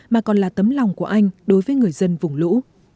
mà còn là tấm lòng của anh đối với người dân vùng lũ